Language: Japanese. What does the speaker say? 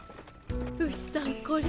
ウシさんこれ。